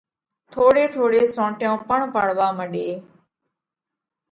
ٿوڙي ٿوڙي سونٽيون پڻ پڙوا مڏي۔